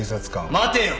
待てよ。